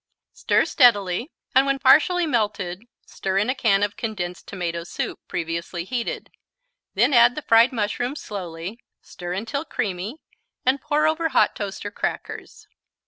Stir steadily and, when partially melted, stir in a can of condensed tomato soup, previously heated. Then add the fried mushrooms slowly, stir until creamy and pour over hot toast or crackers.